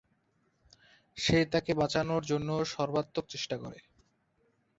সে তাকে বাঁচানোর জন্য সর্বাত্মক চেষ্টা করে।